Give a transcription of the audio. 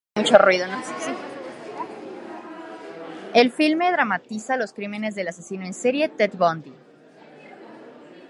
El filme dramatiza los crímenes del asesino en serie Ted Bundy.